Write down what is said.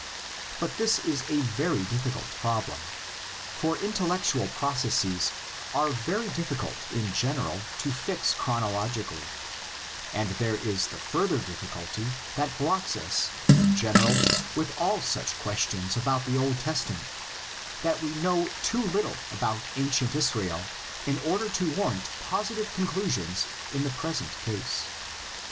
But this is a very difficult problem, for intellectual processes are very difficult in general to fix chronologically; and there is the further difficulty that blocks us in general with all such questions about the Old Tes tament, that we know too little about ancient Israel in order to warrant positive conclusions in the pres ent case.